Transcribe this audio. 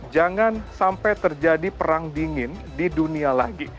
jangan sampai terjadi perang dingin di dunia lagi